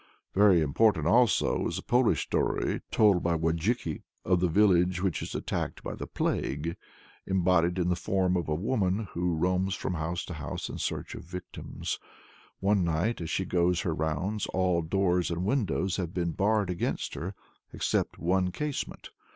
Very important also is the Polish story told by Wojcicki of the village which is attacked by the Plague, embodied in the form of a woman, who roams from house to house in search of victims. One night, as she goes her rounds, all doors and windows have been barred against her except one casement.